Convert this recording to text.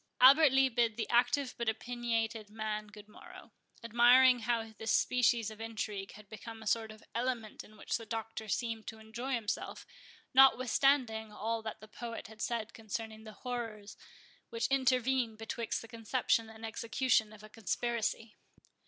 Albert Lee bid the active but opiniated man good morrow; admiring how this species of intrigue had become a sort of element in which the Doctor seemed to enjoy himself, notwithstanding all that the poet has said concerning the horrors which intervene betwixt the conception and execution of a conspiracy.